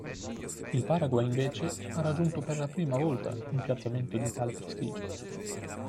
Il Paraguay, invece, ha raggiunto per la prima volta un piazzamento di tale prestigio.